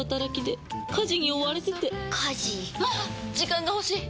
時間が欲しい！